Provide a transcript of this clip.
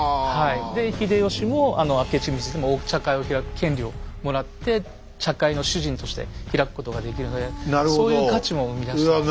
で秀吉も明智光秀もお茶会を開く権利をもらって茶会の主人として開くことができるのでそういう価値も生み出したんですね。